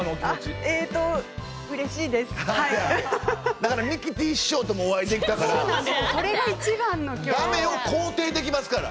だからミキティー師匠ともお会いできたからだめを肯定できますから。